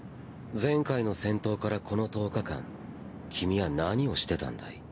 前回の戦闘からこの１０日間君は何をしてたんだい？